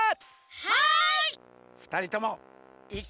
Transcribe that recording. はい。